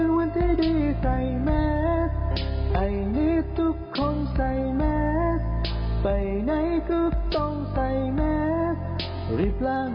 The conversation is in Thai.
โดนโรงคนไทยใส่หน้ากากอนามัยป้องกันโควิด๑๙กันอีกแล้วค่ะ